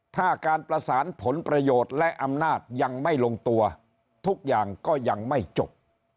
ถ้าการประสานผลประโยชน์และอำนาจยังไม่ลงตัวทุกอย่างก็ยังไม่จบ